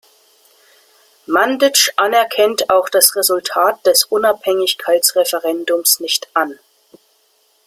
Mandić anerkennt auch das Resultat des Unabhängigkeitsreferendums nicht an.